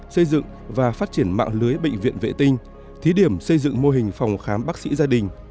xây dựng và phát triển mạng lưới bệnh viện vệ tinh thí điểm xây dựng mô hình phòng khám bác sĩ gia đình